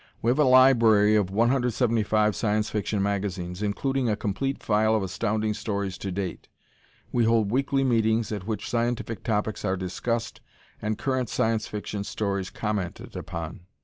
We have a library of 175 Science Fiction magazines, including a complete file of Astounding Stories to date. We hold weekly meetings at which scientific topics are discussed, and current Science Fiction stories commented upon.